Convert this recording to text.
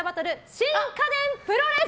新家電プロレス！